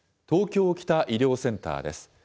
東京北医療センターです。